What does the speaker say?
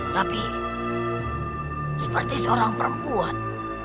tapi seperti seorang perempuan